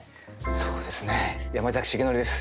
そうですね山崎樹範です。